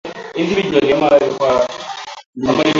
Kesho batamuletea muyomba mali ya mtoto yake wa kwanza